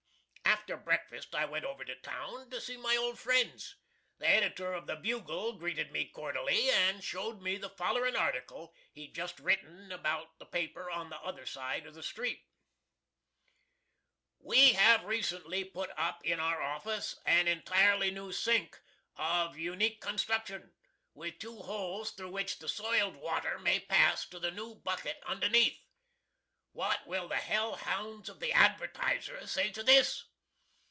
After breakfast I went over to town to see my old friends. The editor of the "Bugle" greeted me cordyully, and showed me the follerin' article he'd just written about the paper on the other side of the street: "We have recently put up in our office an entirely new sink, of unique construction with two holes through which the soiled water may pass to the new bucket underneath. What will the hell hounds of "The Advertiser" say to this!